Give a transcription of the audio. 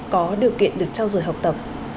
có điều kiện được trao dùi học tập